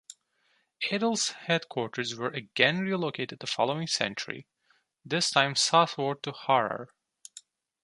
Adal's headquarters were again relocated the following century, this time southward to Harar.